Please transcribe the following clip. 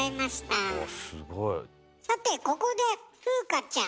さてここで風花ちゃん。